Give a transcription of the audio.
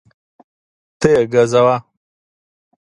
ته یې ګزوه